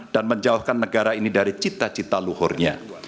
dan menjauhkan negara ini dari cita cita luhurnya